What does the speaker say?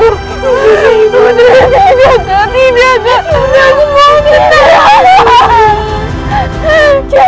tidak tidak tidak